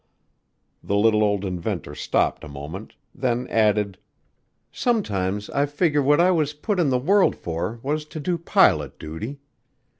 The little old inventor stopped a moment, then added: "Sometimes I figger what I was put in the world for was to do pilot duty.